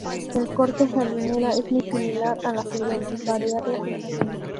El corte jardinera es muy similar a la juliana, variando el tamaño.